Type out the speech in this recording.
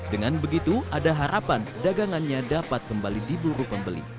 dengan begitu ada harapan dagangannya dapat kembali diburu pembeli